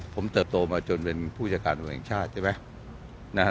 ผมเติบโตมาจนเป็นผู้จัดการตำรวจแห่งชาติใช่ไหม